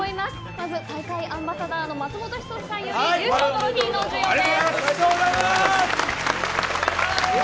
まずは大会アンバサダーの松本人志さんより優勝トロフィーの授与です。